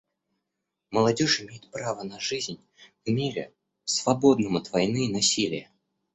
Молодежь имеет право на жизнь в мире, свободном от войны и насилия.